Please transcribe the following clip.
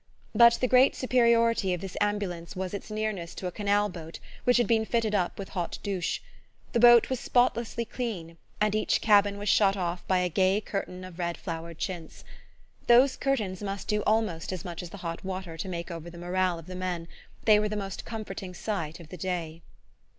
But the great superiority of this ambulance was its nearness to a canalboat which had been fitted up with hot douches. The boat was spotlessly clean, and each cabin was shut off by a gay curtain of red flowered chintz. Those curtains must do almost as much as the hot water to make over the morale of the men: they were the most comforting sight of the day.